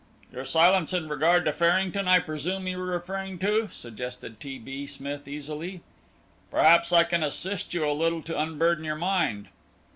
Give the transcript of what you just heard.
"Your silence in regard to Farrington I presume you are referring to," suggested T. B. Smith easily; "perhaps I can assist you a little to unburden your mind."